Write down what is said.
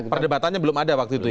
perdebatannya belum ada waktu itu ya